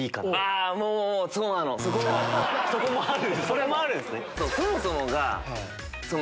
それもあるんすね！